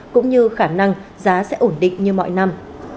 cũng như khả năng giá sẽ ổn định như mọi năm